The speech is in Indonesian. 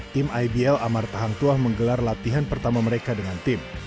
tim ibl amar tahantuah menggelar latihan pertama mereka dengan tim